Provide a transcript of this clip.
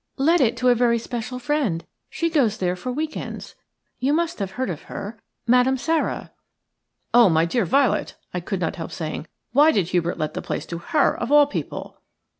"Let it to a very special friend. She goes there for week ends. You must have heard of her – Madame Sara." "Oh, my dear Violet," I could not help saying, "why did Hubert let the place to her, of all people?"